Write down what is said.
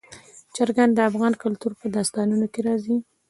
چرګان د افغان کلتور په داستانونو کې راځي.